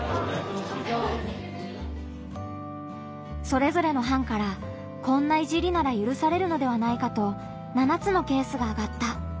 それぞれの班から「こんないじりならゆるされるのではないかと７つのケースがあがった。